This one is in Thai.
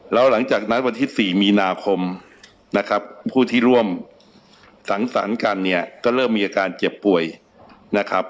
แล้วหลังจากนั้นวันที่๔มีนาคมนะครับผู้ที่ร่วมสังสรรค์กันเนี่ยก็เริ่มมีอาการเจ็บป่วยนะครับ